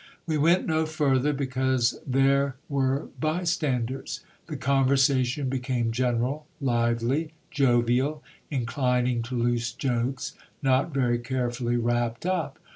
We went no further, because there were bystanders. The conversation be came general, lively, jovial, inclining to loose jokes, not very carefully wrapped up.